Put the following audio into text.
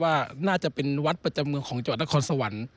ว่าน่าจะเป็นวัดประจำเมืองของจังหวัดนครสวรรค์